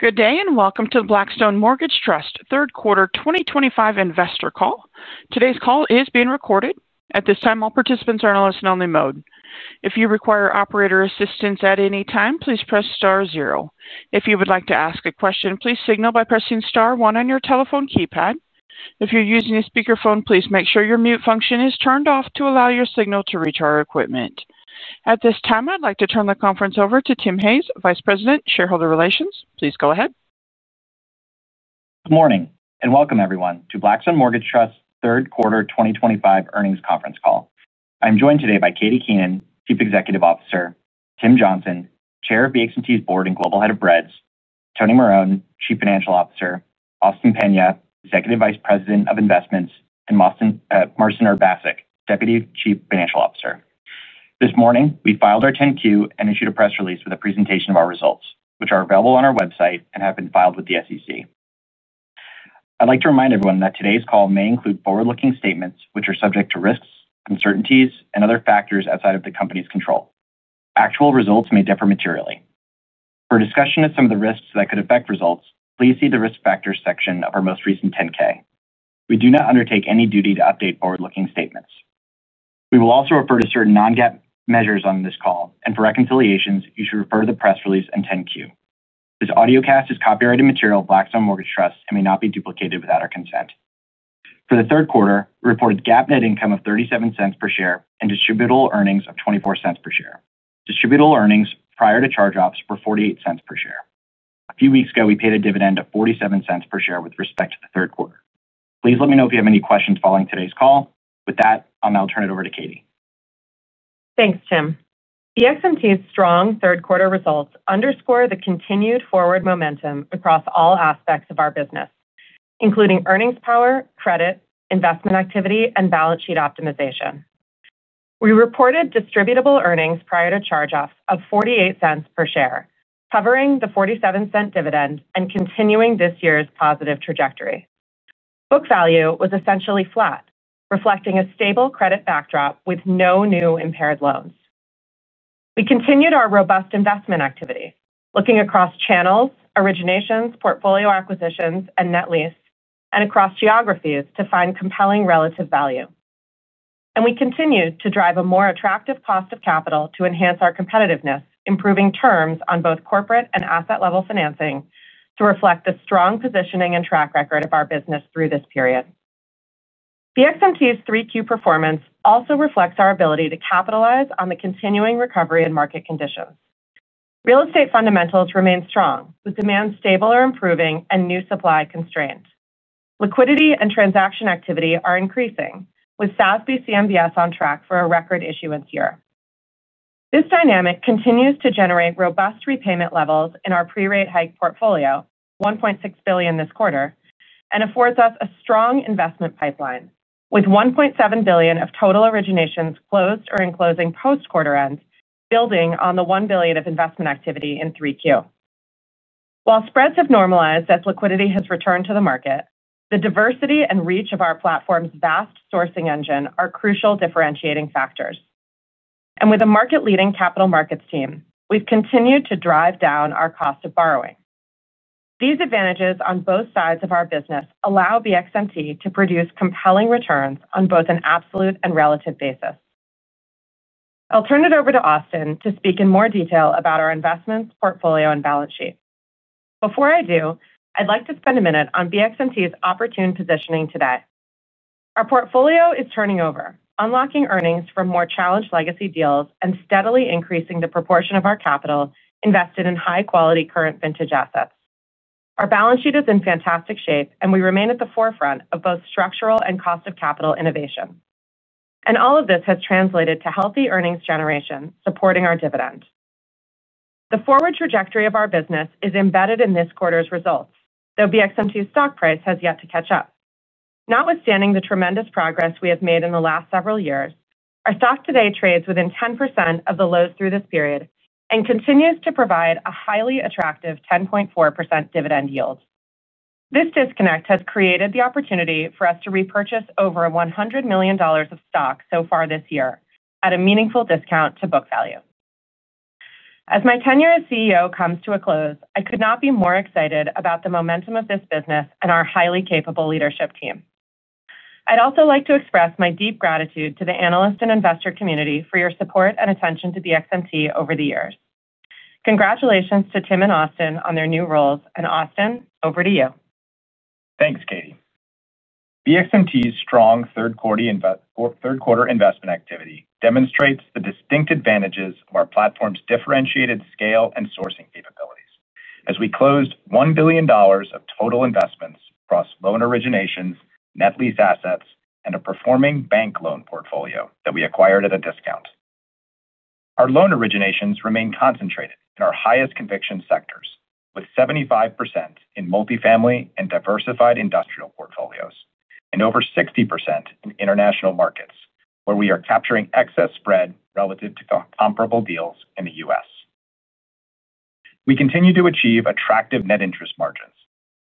Good day and welcome to Blackstone Mortgage Trust third quarter 2025 investor call. Today's call is being recorded. At this time, all participants are in a listen-only mode. If you require operator assistance at any time, please press star zero. If you would like to ask a question, please signal by pressing star one on your telephone keypad. If you're using a speakerphone, please make sure your mute function is turned off to allow your signal to reach our equipment. At this time, I'd like to turn the conference over to Tim Hayes, Vice President, Shareholder Relations. Please go ahead. Good morning and welcome, everyone, to Blackstone Mortgage Trust's third quarter 2025 earnings conference call. I am joined today by Katie Keenan, Chief Executive Officer, Tim Johnson, Chair of the Expertise Board and Global Head of BREDS, Tony Marone, Chief Financial Officer, Austin Peña, Executive Vice President of Investments, and Marcin Urbasic, Deputy Chief Financial Officer. This morning, we filed our 10-Q and issued a press release with a presentation of our results, which are available on our website and have been filed with the SEC. I'd like to remind everyone that today's call may include forward-looking statements, which are subject to risks, uncertainties, and other factors outside of the company's control. Actual results may differ materially. For discussion of some of the risks that could affect results, please see the Risk Factors section of our most recent 10-K. We do not undertake any duty to update forward-looking statements. We will also refer to certain non-GAAP measures on this call, and for reconciliations, you should refer to the press release and 10-Q. This audio cast is copyrighted material of Blackstone Mortgage Trust and may not be duplicated without our consent. For the third quarter, we reported GAAP net income of $0.37 per share and distributable earnings of $0.24 per share. Distributable earnings prior to charge-offs were $0.48 per share. A few weeks ago, we paid a dividend of $0.47 per share with respect to the third quarter. Please let me know if you have any questions following today's call. With that, I'll now turn it over to Katie. Thanks, Tim. The excellent strong third quarter results underscore the continued forward momentum across all aspects of our business, including earnings power, credit, investment activity, and balance sheet optimization. We reported distributable earnings prior to charge-offs of $0.48 per share, covering the $0.47 dividend and continuing this year's positive trajectory. Book value was essentially flat, reflecting a stable credit backdrop with no new impaired loans. We continued our robust investment activity, looking across channels, originations, portfolio acquisitions, and net lease, and across geographies to find compelling relative value. We continued to drive a more attractive cost of capital to enhance our competitiveness, improving terms on both corporate and asset-level financing to reflect the strong positioning and track record of our business through this period. The excellent 3Q performance also reflects our ability to capitalize on the continuing recovery in market conditions. Real estate fundamentals remain strong, with demand stable or improving and new supply constrained. Liquidity and transaction activity are increasing, with SASB CMBS on track for a record issuance year. This dynamic continues to generate robust repayment levels in our pre-rate hike portfolio, $1.6 billion this quarter, and affords us a strong investment pipeline, with $1.7 billion of total originations closed or in closing post-quarter end, building on the $1 billion of investment activity in 3Q. While spreads have normalized as liquidity has returned to the market, the diversity and reach of our platform's vast sourcing engine are crucial differentiating factors. With a market-leading capital markets team, we've continued to drive down our cost of borrowing. These advantages on both sides of our business allow the excellent to produce compelling returns on both an absolute and relative basis. I'll turn it over to Austin to speak in more detail about our investments, portfolio, and balance sheet. Before I do, I'd like to spend a minute on the excellent opportune positioning today. Our portfolio is turning over, unlocking earnings from more challenged legacy deals and steadily increasing the proportion of our capital invested in high-quality current vintage assets. Our balance sheet is in fantastic shape, and we remain at the forefront of both structural and cost of capital innovation. All of this has translated to healthy earnings generation supporting our dividend. The forward trajectory of our business is embedded in this quarter's results, though the excellent stock price has yet to catch up. Notwithstanding the tremendous progress we have made in the last several years, our stock today trades within 10% of the lows through this period and continues to provide a highly attractive 10.4% dividend yield. This disconnect has created the opportunity for us to repurchase over $100 million of stock so far this year at a meaningful discount to book value. As my tenure as CEO comes to a close, I could not be more excited about the momentum of this business and our highly capable leadership team. I would also like to express my deep gratitude to the analyst and investor community for your support and attention to the excellent over the years. Congratulations to Tim and Austin on their new roles. Austin, over to you. Thanks, Katie. The NST strong third quarter investment activity demonstrates the distinct advantages of our platform's differentiated scale and sourcing capabilities. As we closed $1 billion of total investments across loan originations, net lease assets, and a performing bank loan portfolio that we acquired at a discount, our loan originations remain concentrated in our highest conviction sectors, with 75% in multifamily and diversified industrial portfolios and over 60% in international markets, where we are capturing excess spread relative to comparable deals in the U.S. We continue to achieve attractive net interest margins,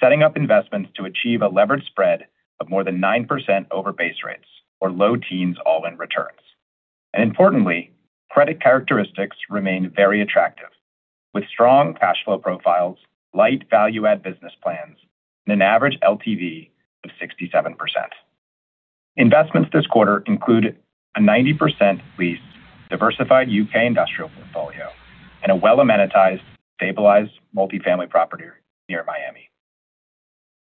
setting up investments to achieve a levered spread of more than 9% over base rates or low teens all-in returns. Importantly, credit characteristics remain very attractive, with strong cash flow profiles, light value-add business plans, and an average LTV of 67%. Investments this quarter include a 90% leased, diversified U.K. industrial portfolio, and a well-amenitized, stabilized multifamily property near Miami.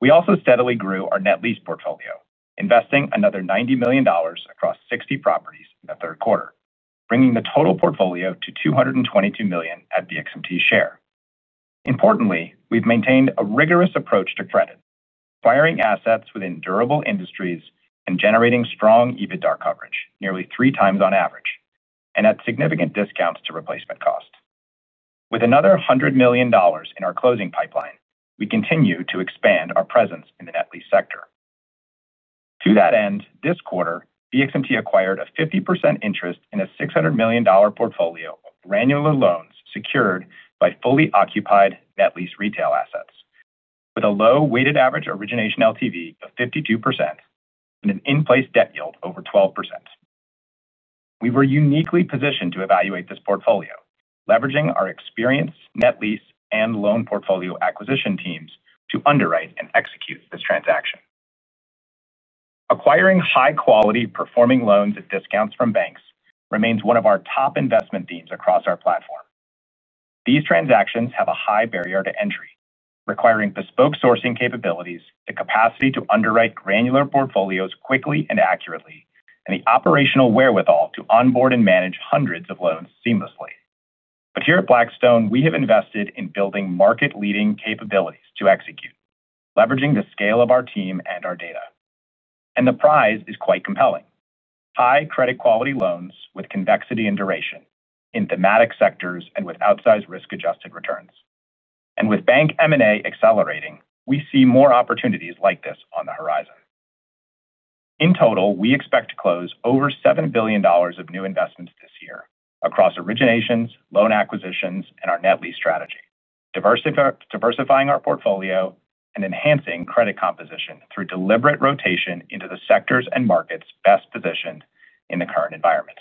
We also steadily grew our net lease portfolio, investing another $90 million across 60 properties in the third quarter, bringing the total portfolio to $222 million at the excellent share. Importantly, we've maintained a rigorous approach to credit, acquiring assets within durable industries and generating strong EBITDA coverage nearly three times on average and at significant discounts to replacement cost. With another $100 million in our closing pipeline, we continue to expand our presence in the net lease sector. To that end, this quarter, the excellent acquired a 50% interest in a $600 million portfolio of granular loans secured by fully occupied net lease retail assets, with a low weighted average origination LTV of 52% and an in-place debt yield over 12%. We were uniquely positioned to evaluate this portfolio, leveraging our experienced net lease and loan portfolio acquisition teams to underwrite and execute this transaction. Acquiring high-quality performing loans at discounts from banks remains one of our top investment themes across our platform. These transactions have a high barrier to entry, requiring bespoke sourcing capabilities, the capacity to underwrite granular portfolios quickly and accurately, and the operational wherewithal to onboard and manage hundreds of loans seamlessly. Here at Blackstone, we have invested in building market-leading capabilities to execute, leveraging the scale of our team and our data. The prize is quite compelling: high credit quality loans with convexity and duration in thematic sectors and with outsized risk-adjusted returns. With bank M&A accelerating, we see more opportunities like this on the horizon. In total, we expect to close over $7 billion of new investments this year across originations, loan acquisitions, and our net lease strategy, diversifying our portfolio and enhancing credit composition through deliberate rotation into the sectors and markets best positioned in the current environment.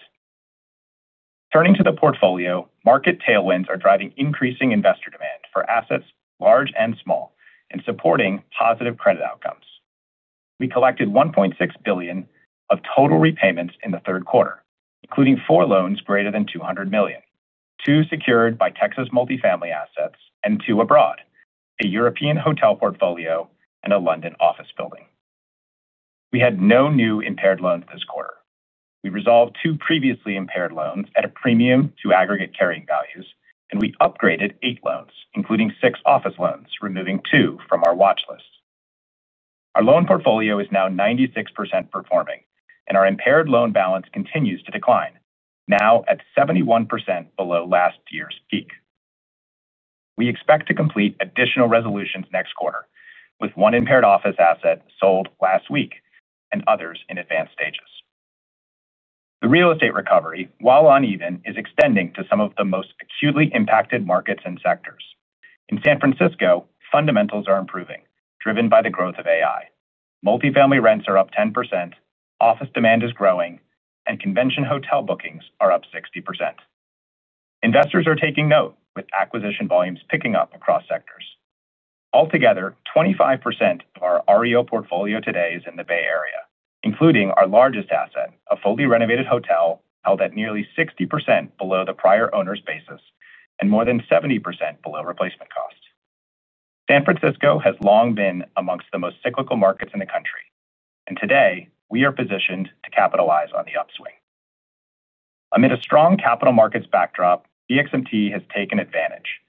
Turning to the portfolio, market tailwinds are driving increasing investor demand for assets, large and small, and supporting positive credit outcomes. We collected $1.6 billion of total repayments in the third quarter, including four loans greater than $200 million, two secured by Texas multifamily assets and two abroad, a European hotel portfolio and a London office building. We had no new impaired loans this quarter. We resolved two previously impaired loans at a premium to aggregate carrying values, and we upgraded eight loans, including six office loans, removing two from our watchlist. Our loan portfolio is now 96% performing, and our impaired loan balance continues to decline, now at 71% below last year's peak. We expect to complete additional resolutions next quarter, with one impaired office asset sold last week and others in advanced stages. The real estate recovery, while uneven, is extending to some of the most acutely impacted markets and sectors. In San Francisco, fundamentals are improving, driven by the growth of AI. Multifamily rents are up 10%, office demand is growing, and convention hotel bookings are up 60%. Investors are taking note, with acquisition volumes picking up across sectors. Altogether, 25% of our REO portfolio today is in the Bay Area, including our largest asset, a fully renovated hotel held at nearly 60% below the prior owner's basis and more than 70% below replacement cost. San Francisco has long been amongst the most cyclical markets in the country, and today we are positioned to capitalize on the upswing. Amid a strong capital markets backdrop, the excellent team has taken advantage,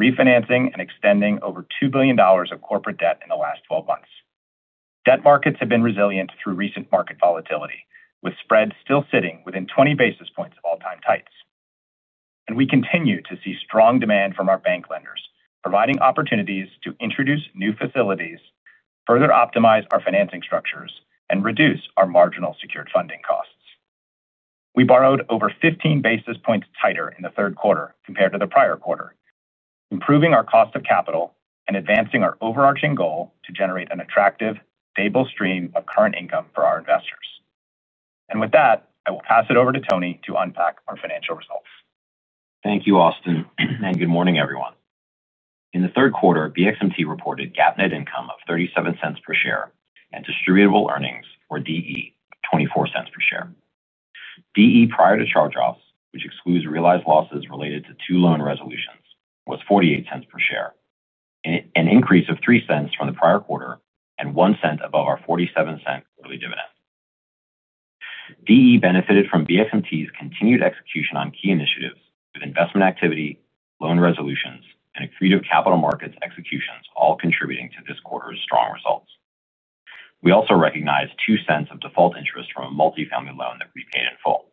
refinancing and extending over $2 billion of corporate debt in the last 12 months. Debt markets have been resilient through recent market volatility, with spreads still sitting within 20 basis points of all-time tights. We continue to see strong demand from our bank lenders, providing opportunities to introduce new facilities, further optimize our financing structures, and reduce our marginal secured funding costs. We borrowed over 15 basis points tighter in the third quarter compared to the prior quarter, improving our cost of capital and advancing our overarching goal to generate an attractive, stable stream of current income for our investors. With that, I will pass it over to Tony to unpack our financial results. Thank you, Austin, and good morning, everyone. In the third quarter, BXMT reported GAAP net income of $0.37 per share and distributable earnings, or DE, of $0.24 per share. DE prior to charge-offs, which excludes realized losses related to two loan resolutions, was $0.48 per share, an increase of $0.03 from the prior quarter and $0.01 above our $0.47 quarterly dividend. DE benefited from BXMT's continued execution on key initiatives, with investment activity, loan resolutions, and accretive capital markets executions all contributing to this quarter's strong results. We also recognized $0.02 of default interest from a multifamily loan that we paid in full.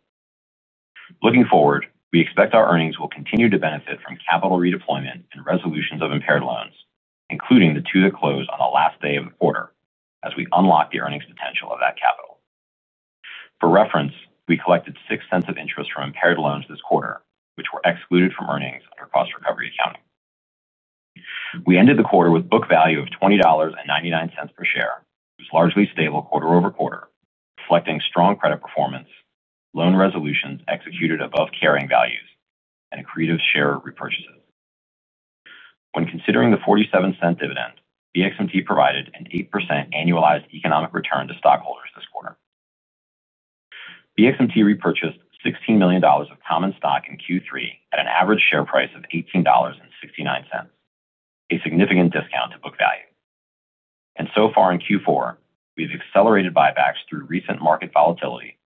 Looking forward, we expect our earnings will continue to benefit from capital redeployment and resolutions of impaired loans, including the two that closed on the last day of the quarter, as we unlock the earnings potential of that capital. For reference, we collected $0.06 of interest from impaired loans this quarter, which were excluded from earnings under cost recovery accounting. We ended the quarter with a book value of $20.99 per share, which was largely stable quarter over quarter, reflecting strong credit performance, loan resolutions executed above carrying values, and accretive share repurchases. When considering the $0.47 dividend, BXMT provided an 8% annualized economic return to stockholders this quarter. BXMT repurchased $16 million of common stock in Q3 at an average share price of $18.69, a significant discount to book value. So far in Q4, we've accelerated buybacks through recent market volatility,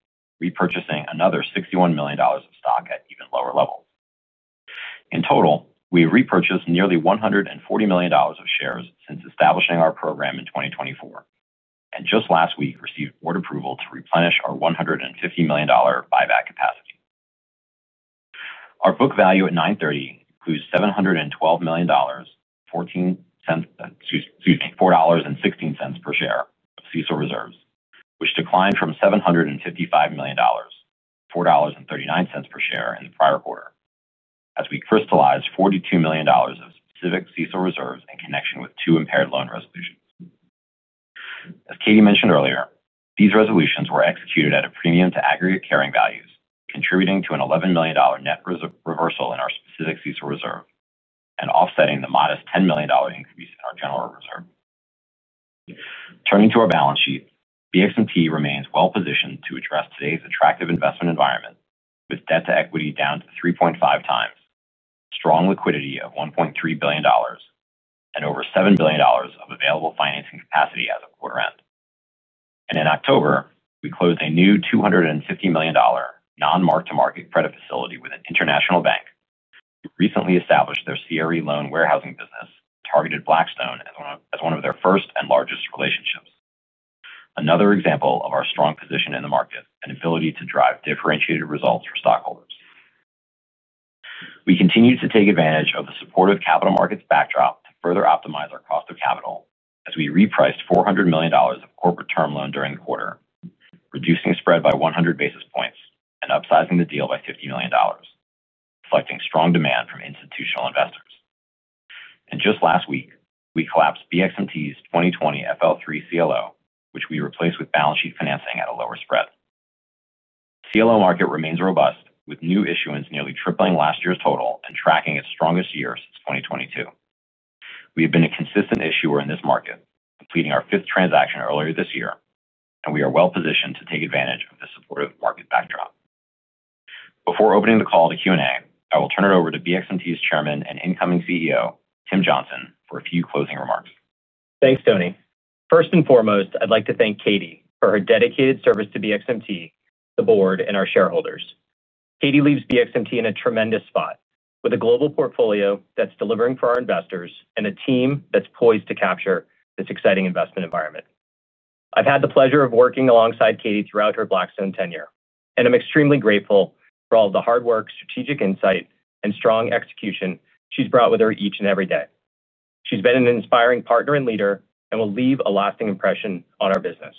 repurchasing another $61 million of stock at even lower levels. In total, we repurchased nearly $140 million of shares since establishing our program in 2024, and just last week received board approval to replenish our $150 million buyback capacity. Our book value at 9/30 includes $712 million, $4.16 per share of CECL reserves, which declined from $755 million, $4.39 per share in the prior quarter, as we crystallized $42 million of specific CECL reserves in connection with two impaired loan resolutions. As Katie mentioned earlier, these resolutions were executed at a premium to aggregate carrying values, contributing to an $11 million net reversal in our specific CECL reserve and offsetting the modest $10 million increase in our general reserve. Turning to our balance sheet, the company remains well positioned to address today's attractive investment environment, with debt to equity down to 3.5x, strong liquidity of $1.3 billion, and over $7 billion of available financing capacity as of quarter end. In October, we closed a new $250 million non-mark-to-market credit facility with an international bank. They recently established their CRE loan warehousing business and targeted Blackstone as one of their first and largest relationships, another example of our strong position in the market and ability to drive differentiated results for stockholders. We continued to take advantage of the supportive capital markets backdrop to further optimize our cost of capital, as we repriced $400 million of corporate term loan during the quarter, reducing spread by 100 basis points and upsizing the deal by $50 million, reflecting strong demand from institutional investors. Just last week, we collapsed the company's 2020 FL3 CLO, which we replaced with balance sheet financing at a lower spread. The CLO market remains robust, with new issuance nearly tripling last year's total and tracking its strongest year since 2022. We have been a consistent issuer in this market, completing our fifth transaction earlier this year, and we are well positioned to take advantage of the supportive market backdrop. Before opening the call to Q&A, I will turn it over to the company's Chairman and incoming CEO, Tim Johnson, for a few closing remarks. Thanks, Tony. First and foremost, I'd like to thank Katie for her dedicated service to the excellent team, the board, and our shareholders. Katie leaves the excellent team in a tremendous spot, with a global portfolio that's delivering for our investors and a team that's poised to capture this exciting investment environment. I've had the pleasure of working alongside Katie throughout her Blackstone tenure, and I'm extremely grateful for all of the hard work, strategic insight, and strong execution she's brought with her each and every day. She's been an inspiring partner and leader and will leave a lasting impression on our business.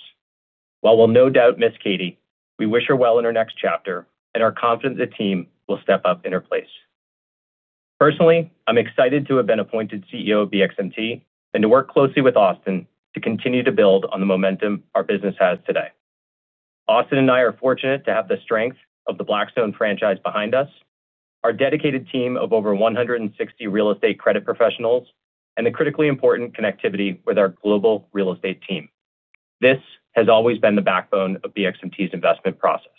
While we'll no doubt miss Katie, we wish her well in her next chapter, and our confidence in the team will step up in her place. Personally, I'm excited to have been appointed CEO of the excellent team and to work closely with Austin to continue to build on the momentum our business has today. Austin and I are fortunate to have the strength of the Blackstone franchise behind us, our dedicated team of over 160 real estate credit professionals, and the critically important connectivity with our global real estate team. This has always been the backbone of the excellent investment process.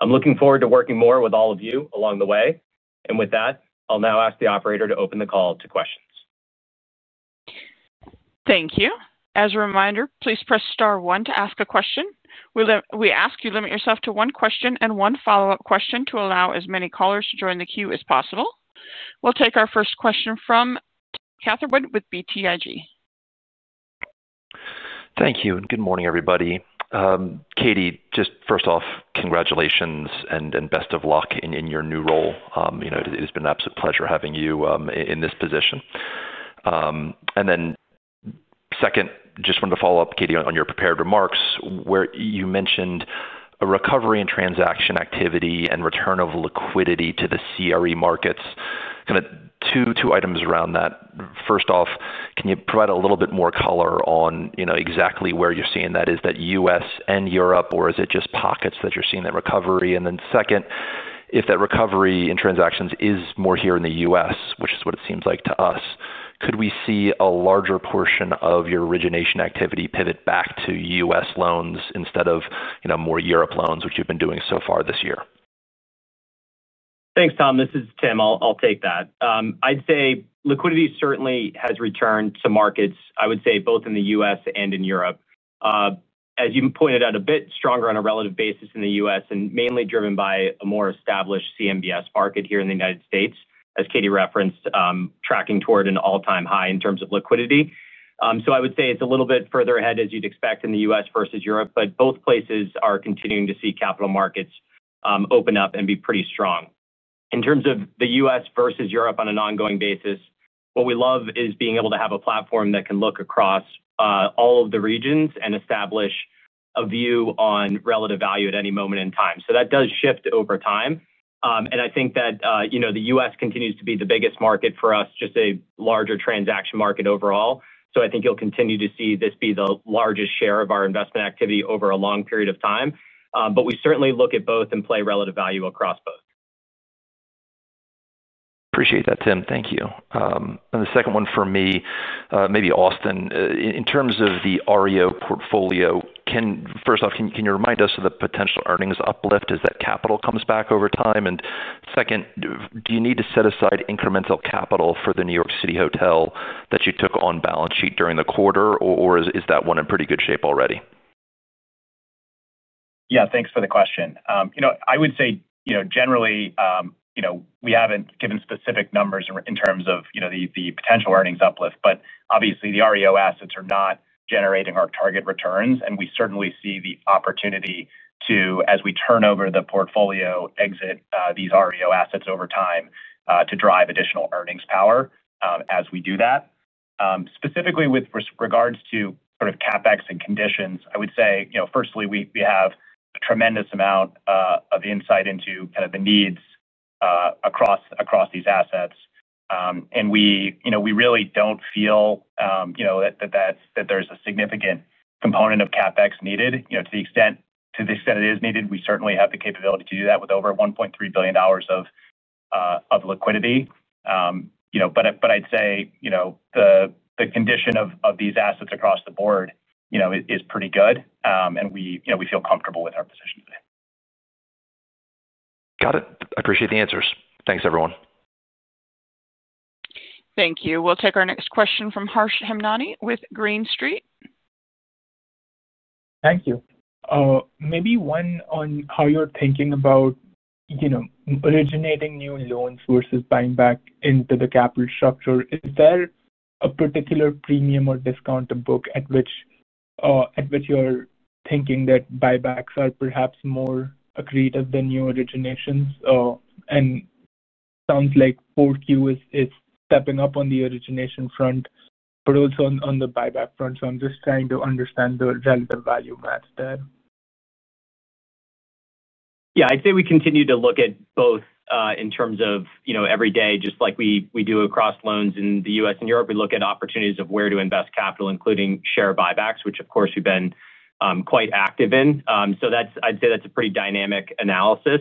I'm looking forward to working more with all of you along the way. With that, I'll now ask the operator to open the call to questions. Thank you. As a reminder, please press star one to ask a question. We ask you to limit yourself to one question and one follow-up question to allow as many callers to join the queue as possible. We'll take our first question from [Katharine] with BTIG. Thank you. Good morning, everybody. Katie, just first off, congratulations and best of luck in your new role. It has been an absolute pleasure having you in this position. Second, just wanted to follow up, Katie, on your prepared remarks where you mentioned a recovery in transaction activity and return of liquidity to the CRE markets. Two items around that. First off, can you provide a little bit more color on exactly where you're seeing that? Is that U.S. and Europe, or is it just pockets that you're seeing that recovery? Second, if that recovery in transactions is more here in the U.S., which is what it seems like to us, could we see a larger portion of your origination activity pivot back to U.S. loans instead of more Europe loans, which you've been doing so far this year? Thanks, Tom. This is Tim. I'll take that. I'd say liquidity certainly has returned to markets, I would say both in the U.S. and in Europe, as you pointed out, a bit stronger on a relative basis in the U.S. and mainly driven by a more established CMBS market here in the United States, as Katie referenced, tracking toward an all-time high in terms of liquidity. I would say it's a little bit further ahead, as you'd expect, in the U.S. versus Europe, but both places are continuing to see capital markets open up and be pretty strong. In terms of the U.S. versus Europe on an ongoing basis, what we love is being able to have a platform that can look across all of the regions and establish a view on relative value at any moment in time. That does shift over time. I think that the U.S.continues to be the biggest market for us, just a larger transaction market overall. I think you'll continue to see this be the largest share of our investment activity over a long period of time. We certainly look at both and play relative value across both. Appreciate that, Tim. Thank you. The second one for me, maybe Austin, in terms of the REO portfolio, first off, can you remind us of the potential earnings uplift as that capital comes back over time? Do you need to set aside incremental capital for the New York City hotel that you took on balance sheet during the quarter, or is that one in pretty good shape already? Yeah, thanks for the question. I would say generally we haven't given specific numbers in terms of the potential earnings uplift, but obviously the REO assets are not generating our target returns, and we certainly see the opportunity to, as we turn over the portfolio, exit these REO assets over time to drive additional earnings power as we do that. Specifically with regards to sort of CapEx and conditions, I would say firstly we have a tremendous amount of insight into kind of the needs across these assets. We really don't feel that there's a significant component of CapEx needed. To the extent it is needed, we certainly have the capability to do that with over $1.3 billion of liquidity. I'd say the condition of these assets across the board is pretty good, and we feel comfortable with our position today. Got it. I appreciate the answers. Thanks, everyone. Thank you. We'll take our next question from Harsh Hemnani with Green Street. Thank you. Maybe one on how you're thinking about originating new loans versus buying back into the capital structure. Is there a particular premium or discount to book at which you're thinking that buybacks are perhaps more accretive than new originations? It sounds like 4Q is stepping up on the origination front, but also on the buyback front. I'm just trying to understand the relative value match there. Yeah, I'd say we continue to look at both in terms of every day, just like we do across loans in the U.S. and Europe, we look at opportunities of where to invest capital, including share buybacks, which of course we've been quite active in. I'd say that's a pretty dynamic analysis.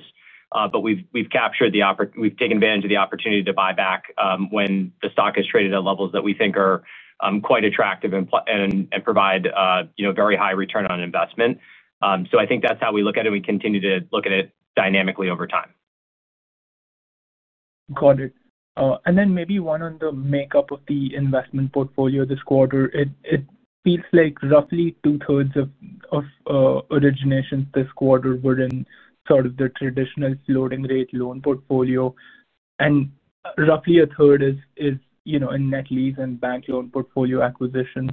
We've taken advantage of the opportunity to buy back when the stock is traded at levels that we think are quite attractive and provide very high return on investment. I think that's how we look at it. We continue to look at it dynamically over time. Got it. Maybe one on the makeup of the investment portfolio this quarter. It feels like roughly two-thirds of originations this quarter were in sort of the traditional floating rate loan portfolio, and roughly a third is in net lease and bank loan portfolio acquisitions.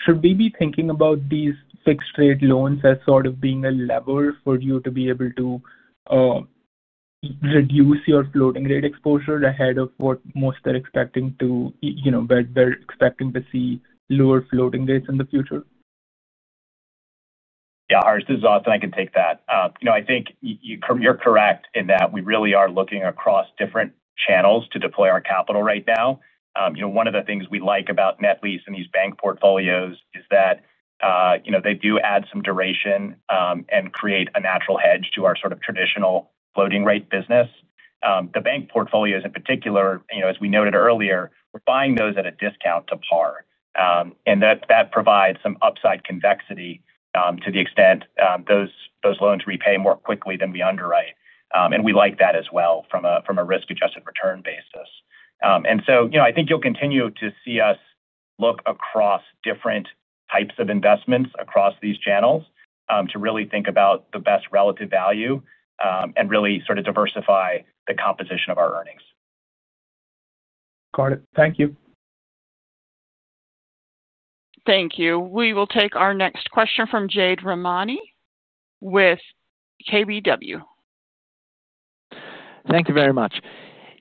Should we be thinking about these fixed-rate loans as sort of being a lever for you to be able to reduce your floating rate exposure ahead of what most are expecting to see lower floating rates in the future? Yeah, Harsh, this is Austin. I can take that. I think you're correct in that we really are looking across different channels to deploy our capital right now. One of the things we like about net lease and these bank portfolios is that they do add some duration and create a natural hedge to our sort of traditional floating rate business. The bank portfolios in particular, as we noted earlier, we're buying those at a discount to par. That provides some upside convexity to the extent those loans repay more quickly than we underwrite. We like that as well from a risk-adjusted return basis. I think you'll continue to see us look across different types of investments across these channels to really think about the best relative value and really sort of diversify the composition of our earnings. Got it. Thank you. Thank you. We will take our next question from Jade Rahmani with KBW. Thank you very much.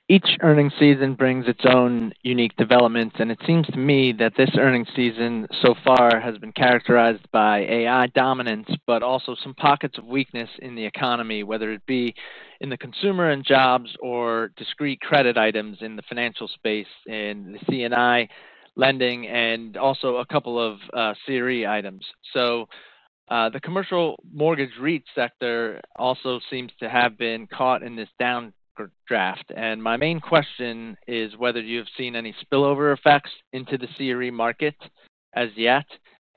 Each earnings season brings its own unique developments, and it seems to me that this earnings season so far has been characterized by AI dominance, but also some pockets of weakness in the economy, whether it be in the consumer and jobs or discrete credit items in the financial space and the C&I lending and also a couple of CRE items. The commercial mortgage REIT sector also seems to have been caught in this downdraft. My main question is whether you've seen any spillover effects into the CRE market as yet,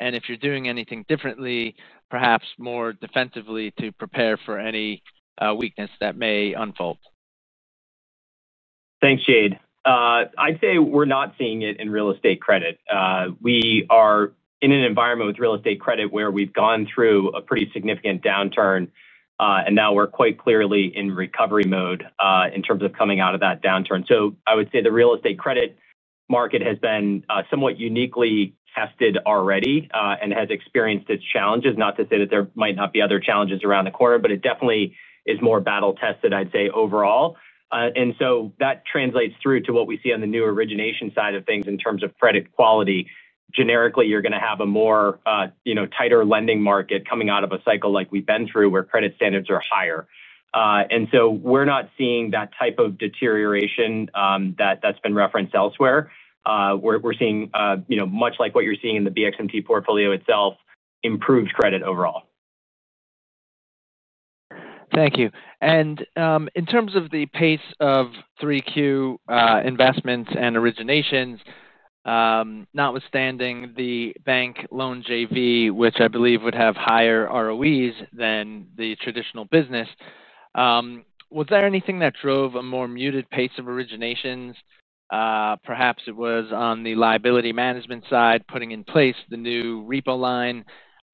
and if you're doing anything differently, perhaps more defensively to prepare for any weakness that may unfold. Thanks, Jade. I'd say we're not seeing it in real estate credit. We are in an environment with real estate credit where we've gone through a pretty significant downturn, and now we're quite clearly in recovery mode in terms of coming out of that downturn. I would say the real estate credit market has been somewhat uniquely tested already and has experienced its challenges. Not to say that there might not be other challenges around the corner, but it definitely is more battle-tested, I'd say, overall. That translates through to what we see on the new origination side of things in terms of credit quality. Generically, you're going to have a more tighter lending market coming out of a cycle like we've been through where credit standards are higher. We're not seeing that type of deterioration that's been referenced elsewhere. We're seeing, much like what you're seeing in the BXMT portfolio itself, improved credit overall. Thank you. In terms of the pace of 3Q investments and originations, notwithstanding the bank loan JV, which I believe would have higher ROEs than the traditional business, was there anything that drove a more muted pace of originations? Perhaps it was on the liability management side, putting in place the new repo line,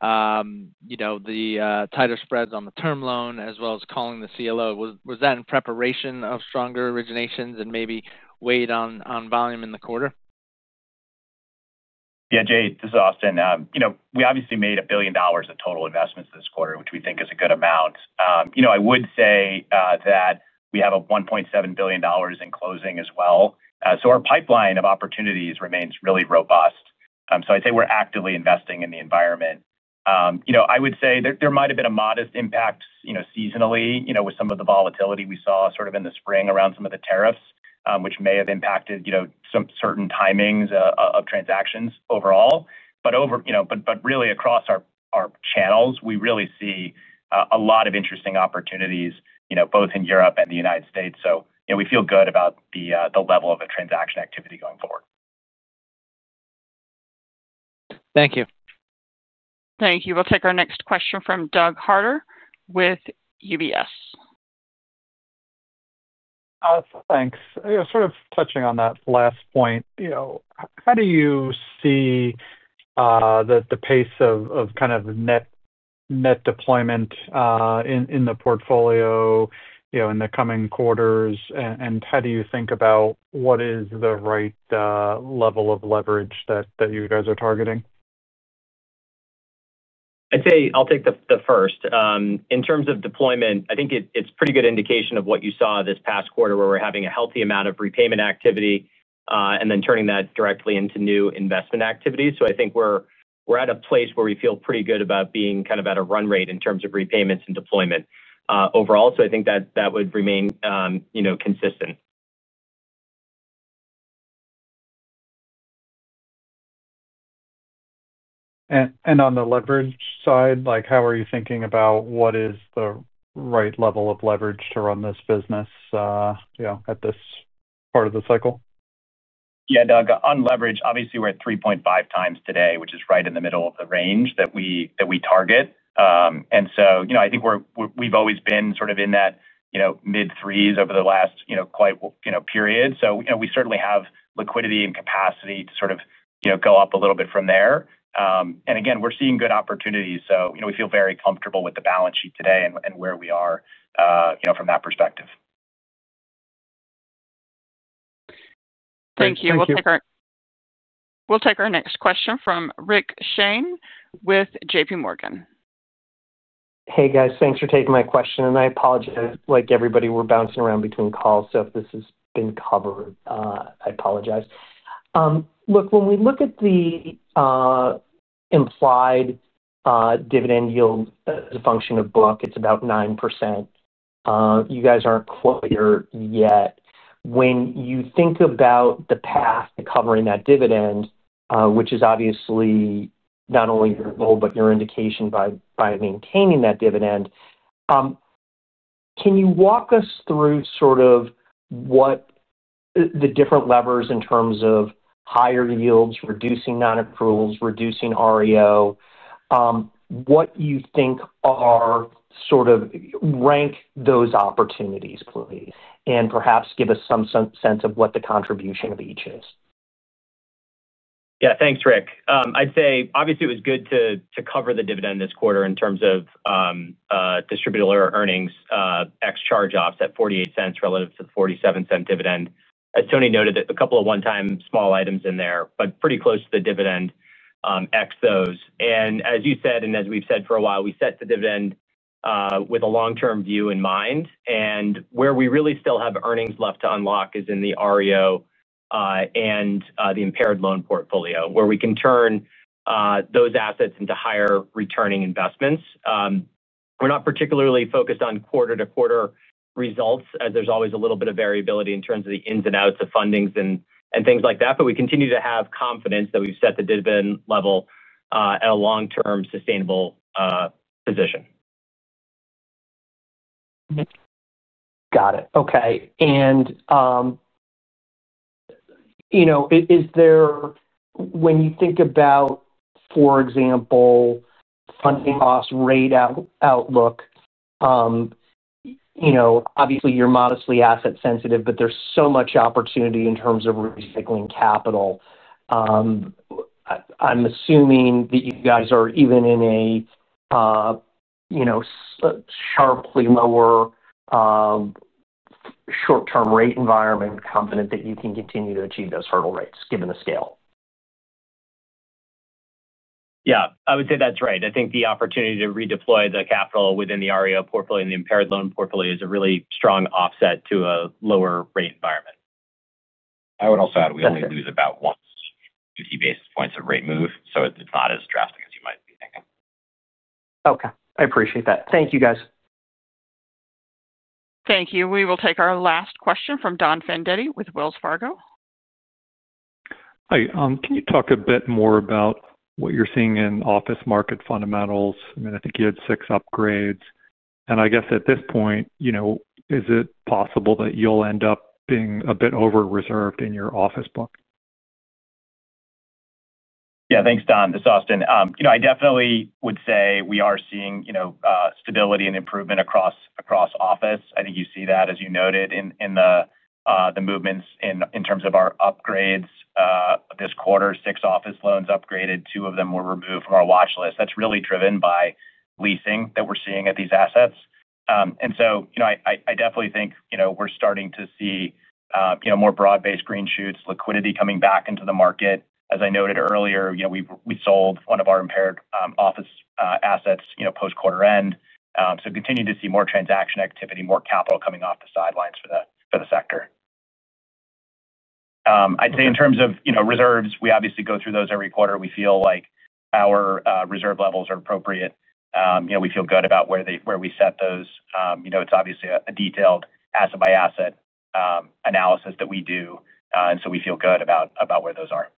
the tighter spreads on the term loan, as well as calling the CLO. Was that in preparation of stronger originations and maybe weighed on volume in the quarter? Yeah, Jade, this is Austin. We obviously made $1 billion of total investments this quarter, which we think is a good amount. I would say that we have $1.7 billion in closing as well. Our pipeline of opportunities remains really robust. I'd say we're actively investing in the environment. There might have been a modest impact seasonally with some of the volatility we saw in the spring around some of the tariffs, which may have impacted certain timings of transactions overall. Across our channels, we really see a lot of interesting opportunities both in Europe and the U.S. We feel good about the level of transaction activity going forward. Thank you. Thank you. We'll take our next question from Doug Harter with UBS. Thanks. Touching on that last point, how do you see the pace of kind of net deployment in the portfolio in the coming quarters, and how do you think about what is the right level of leverage that you guys are targeting? I'd say I'll take the first. In terms of deployment, I think it's a pretty good indication of what you saw this past quarter, where we're having a healthy amount of repayment activity and then turning that directly into new investment activity. I think we're at a place where we feel pretty good about being kind of at a run rate in terms of repayments and deployment overall. I think that would remain consistent. On the leverage side, how are you thinking about what is the right level of leverage to run this business at this part of the cycle? Yeah, Doug, on leverage, obviously we're at 3.5x today, which is right in the middle of the range that we target. I think we've always been sort of in that mid-threes over the last quite period. We certainly have liquidity and capacity to sort of go up a little bit from there. Again, we're seeing good opportunities. We feel very comfortable with the balance sheet today and where we are from that perspective. Thank you. We'll take our next question from Rick Shane with JPMorgan. Hey guys, thanks for taking my question. I apologize, like everybody, we're bouncing around between calls. If this has been covered, I apologize. Look, when we look at the implied dividend yield as a function of book, it's about 9%. You guys aren't quite there yet. When you think about the path to covering that dividend, which is obviously not only your goal, but your indication by maintaining that dividend, can you walk us through sort of what the different levers in terms of higher yields, reducing non-approvals, reducing REO, what you think are sort of rank those opportunities, please, and perhaps give us some sense of what the contribution of each is? Yeah, thanks, Rick. I'd say obviously it was good to cover the dividend this quarter in terms of distributable earnings ex-charge-offs at $0.48 relative to the $0.47 dividend. As Tony noted, a couple of one-time small items in there, but pretty close to the dividend ex those. As you said, and as we've said for a while, we set the dividend with a long-term view in mind. Where we really still have earnings left to unlock is in the REO and the impaired loan portfolio, where we can turn those assets into higher returning investments. We're not particularly focused on quarter-to-quarter results, as there's always a little bit of variability in terms of the ins and outs of fundings and things like that. We continue to have confidence that we've set the dividend level at a long-term sustainable position. Got it. Okay. When you think about, for example, funding loss rate outlook, obviously you're modestly asset-sensitive, but there's so much opportunity in terms of recycling capital. I'm assuming that you guys are even in a sharply lower short-term rate environment confident that you can continue to achieve those hurdle rates given the scale. Yeah, I would say that's right. I think the opportunity to redeploy the capital within the REO portfolio and the impaired loan portfolio is a really strong offset to a lower rate environment. I would also add we only lose about 150 basis points of rate move, so it's not as drastic as you might be thinking. Okay, I appreciate that. Thank you, guys. Thank you. We will take our last question from Don Fandetti with Wells Fargo. Hi. Can you talk a bit more about what you're seeing in office market fundamentals? I mean, I think you had six upgrades. At this point, is it possible that you'll end up being a bit over-reserved in your office book? Yeah, thanks, Don. This is Austin. I definitely would say we are seeing stability and improvement across office. I think you see that, as you noted, in the movements in terms of our upgrades this quarter, six office loans upgraded. Two of them were removed from our watchlist. That is really driven by leasing that we're seeing at these assets. I definitely think we're starting to see more broad-based green shoots, liquidity coming back into the market. As I noted earlier, we sold one of our impaired office assets post-quarter end. We continue to see more transaction activity, more capital coming off the sidelines for the sector. I'd say in terms of reserves, we obviously go through those every quarter. We feel like our reserve levels are appropriate. We feel good about where we set those. It is obviously a detailed asset-by-asset analysis that we do. We feel good about where those are.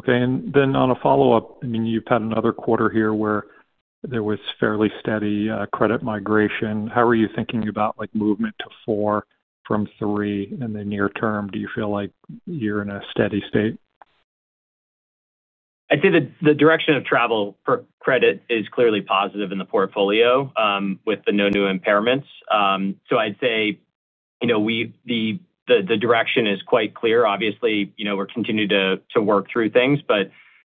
Okay. On a follow-up, you've had another quarter here where there was fairly steady credit migration. How are you thinking about movement to four from three in the near term? Do you feel like you're in a steady state? I'd say the direction of travel for credit is clearly positive in the portfolio with no new impairments. I'd say the direction is quite clear. Obviously, we're continuing to work through things.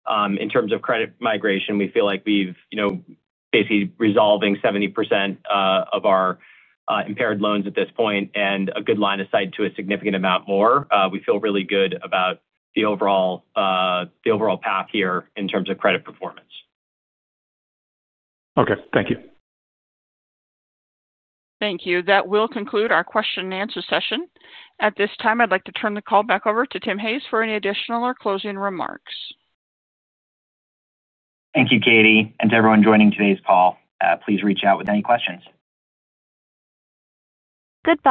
In terms of credit migration, we feel like we've basically resolved 70% of our impaired loans at this point and have a good line of sight to a significant amount more. We feel really good about the overall path here in terms of credit performance. Okay. Thank you. Thank you. That will conclude our question-and-answer session. At this time, I'd like to turn the call back over to Tim Hayes for any additional or closing remarks. Thank you, Katie. To everyone joining today's call, please reach out with any questions. Goodbye.